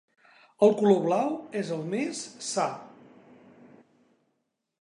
El color blau és el més sa.